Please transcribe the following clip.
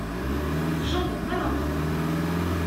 J’en ai marre!